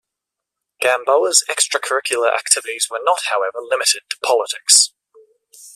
Gamboa's extracurricular activities were not, however, limited to politics.